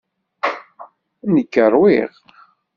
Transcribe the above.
Nekk ṛwiɣ.